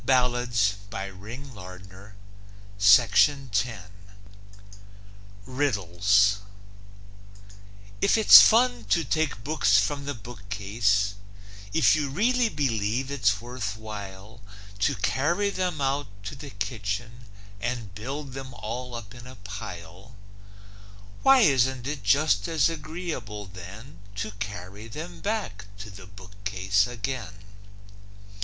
RIDDLES If it's fun to take books from the bookcase, If you really believe it's worth while To carry them out to the kitchen And build them all up in a pile, Why isn't it just as agreeable then To carry them back to the bookcase again?